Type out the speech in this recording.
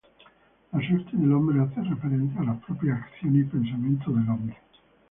La suerte del Hombre hace referencia a las propias acciones y pensamientos del hombre.